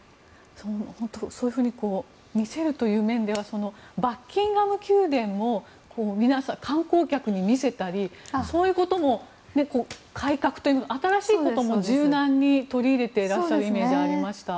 本当、そういうふうに見せるという面ではバッキンガム宮殿を観光客に見せたりそういうことも改革というか新しいことも柔軟に取り入れていらっしゃるイメージがありました。